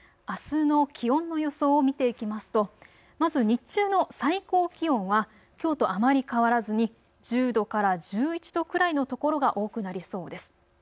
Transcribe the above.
あすの気温の予想を見ていきますと、まず日中の最高気温はきょうとあまり変わらずに１０度から１１度くらいの所が多くなりそうです。